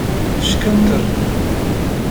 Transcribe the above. Ckenter.